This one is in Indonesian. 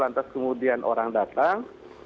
lantas kemudian orang datang